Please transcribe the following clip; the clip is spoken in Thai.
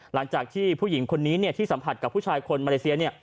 หลังจากที่ผู้หญิงคนนี้ที่สัมผัสกับผู้ชายคนมาเลเซีย